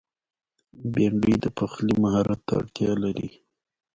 بېنډۍ د پخلي مهارت ته اړتیا لري